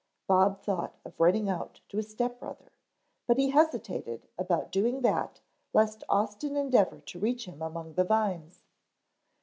Bob thought of running out to his step brother, but hesitated about doing that lest Austin endeavor to reach him among the vines.